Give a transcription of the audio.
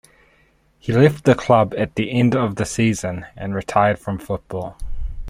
He left the club at the end of the season and retired from football.